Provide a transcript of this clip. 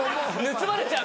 盗まれちゃう。